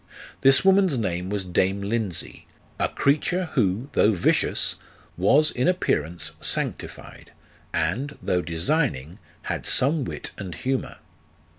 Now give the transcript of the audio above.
This woman's name was dame Lindsey, a creature who, though vicious, was in appearance sanctified, and, though designing, had some wit and humour.